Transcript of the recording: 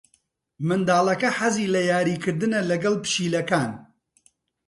منداڵەکە حەزی لە یاریکردنە لەگەڵ پشیلەکان.